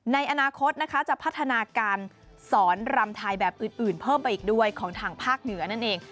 ในอนาคตนะคะจะพัฒนาการสอนรำไทยแบบอื่นเพิ่มไปอีกด้วยของทางภาคเหนือนั่นเอง